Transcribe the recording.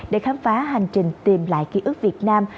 để khám phá hành trình tìm lại ký ức việt nam